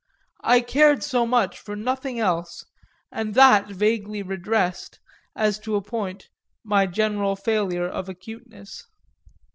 I cared so much for nothing else, and that vaguely redressed, as to a point, my general failure of acuteness.